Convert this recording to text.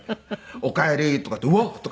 「おかえり」とか言うと「わっ！」とか。